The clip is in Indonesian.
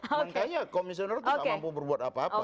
kayaknya komisioner itu tidak mampu berbuat apa apa